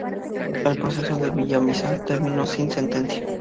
El proceso para Villamizar terminó sin sentencia.